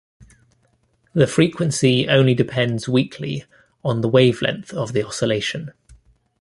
The frequency only depends weakly on the wavelength of the oscillation.